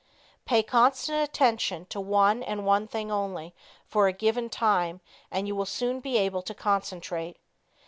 Pay constant attention to one and one thing only for a given time and you will soon be able to concentrate.